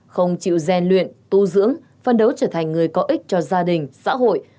không chịu gian luyện tu dưỡng phân đấu trở thành người có ích cho gia đình xã hội